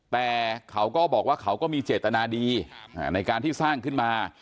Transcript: แต่เขาก็บอกว่าเขาก็มีเจตนาดีในการที่สร้างขึ้นมา